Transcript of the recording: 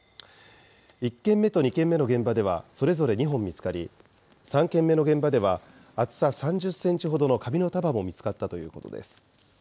１件目と２件目の現場ではそれぞれ２本見つかり、３件目の現場では、厚さ３０センチほどの紙の束も見つかったということです。